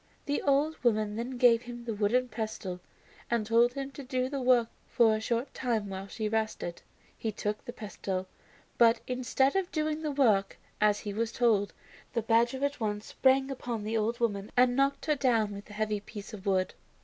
The old woman then gave him the wooden pestle and told him to do the work for a short time while she rested. He took the pestle, but instead of doing the work as he was told, the badger at once sprang upon the old woman and knocked her down with the heavy piece of wood.